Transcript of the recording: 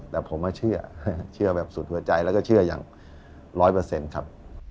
แต่ผมเชื่อแบบสุดหัวใจแล้วก็เชื่ออย่างร้อยเปอร์เซ็นต์ครับ